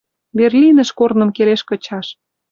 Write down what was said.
Берлинӹш корным келеш кычаш».